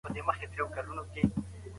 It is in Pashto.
حلال مال د انسان لپاره برکت دی.